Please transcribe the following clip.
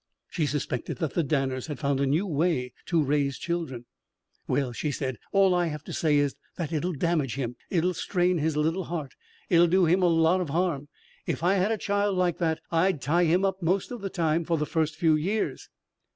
She suspected that the Danners had found a new way to raise children. "Well," she said, "all I have to say is that it'll damage him. It'll strain his little heart. It'll do him a lot of harm. If I had a child like that, I'd tie it up most of the time for the first few years."